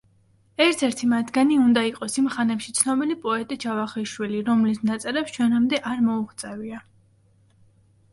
ერთ-ერთი მათგანი უნდა იყოს იმ ხანებში ცნობილი პოეტი ჯავახიშვილი, რომლის ნაწერებს ჩვენამდე არ მოუღწევია.